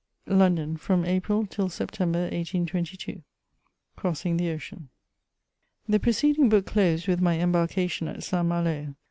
London, from April till September, 1822. CBOSSINO THE OCEAN. The preceding book closed with my embarkation at St. Malo.